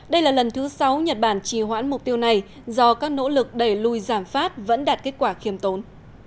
đây là lần thứ sáu nhật bản trì hoãn mục tiêu này do các nỗ lực đẩy lùi giảm phát vẫn đạt kết quả khiêm tốn